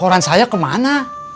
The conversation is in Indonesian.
koran saya kemana